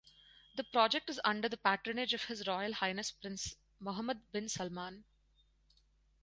The project is under the patronage of His Royal Highness Prince Mohammed bin Salman.